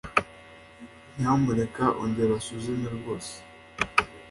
Nyamuneka ongera usuzume." "Rwose."